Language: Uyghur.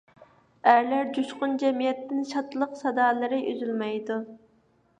ئەرلەر جۇشقۇن جەمئىيەتتىن شادلىق سادالىرى ئۈزۈلمەيدۇ.